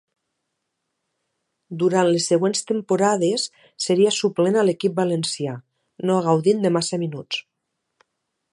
Durant les següents temporades seria suplent a l'equip valencià, no gaudint de massa minuts.